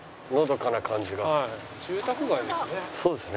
住宅街ですね。